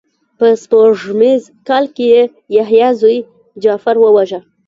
په سپوږمیز کال کې یې یحیی زوی جغفر وواژه.